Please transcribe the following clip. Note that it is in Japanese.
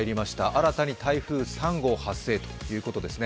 新たに台風３号発生ということですね。